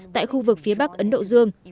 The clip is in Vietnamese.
tại khu vực phía bắc ấn độ dương